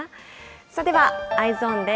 ではＥｙｅｓｏｎです。